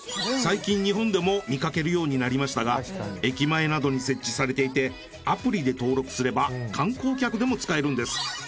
最近日本でも見かけるようになりましたが駅前などに設置されていてアプリで登録すれば観光客でも使えるんです。